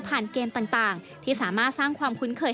เกมต่างที่สามารถสร้างความคุ้นเคย